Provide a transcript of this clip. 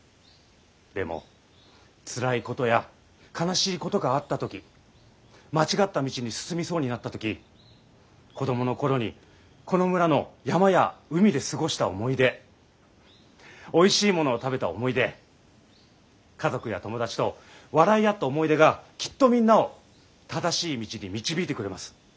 でもつらいことや悲しいことがあった時間違った道に進みそうになった時子供の頃にこの村の山や海で過ごした思い出おいしいものを食べた思い出家族や友達と笑い合った思い出がきっとみんなを正しい道に導いてくれます。